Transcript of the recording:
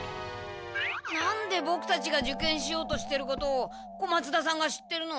なんでボクたちが受験しようとしてることを小松田さんが知ってるの？